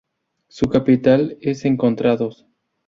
Su capital es Encontrados.